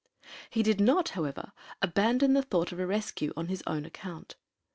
He did not, however, abandon the thought of a rescue on his own account.